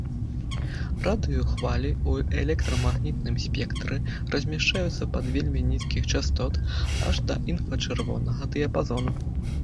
Радыёхвалі ў электрамагнітным спектры размяшчаюцца ад вельмі нізкіх частот аж да інфрачырвонага дыяпазону.